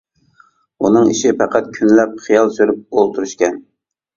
ئۇنىڭ ئىشى پەقەت كۈنلەپ خىيال سۈرۈپ ئولتۇرۇشكەن.